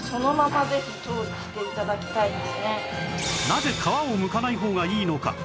なぜ皮をむかない方がいいのか